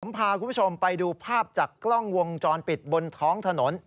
พาคุณผู้ชมไปดูภาพจากกล้องวงจรปิดบนท้องถนน